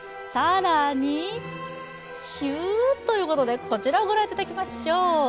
更にヒューということで、こちらを御覧いただきましょう。